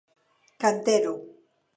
Cantero.